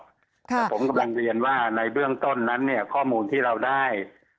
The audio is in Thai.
แต่ผมกำลังเรียนว่าในเบื้องต้นนั้นเนี่ยข้อมูลที่เราได้